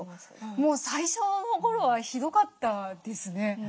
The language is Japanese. もう最初の頃はひどかったですね。